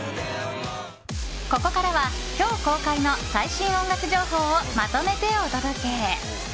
ここからは、今日公開の最新音楽情報をまとめてお届け！